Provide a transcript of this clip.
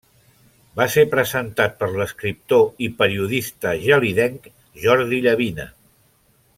Va ser presentat per l'escriptor i periodista gelidenc Jordi Llavina.